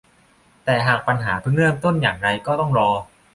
แต่หากปัญหาเพิ่งเริ่มต้นอย่างไรก็ต้องรอ